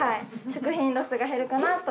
食品ロスが減るかなと思って。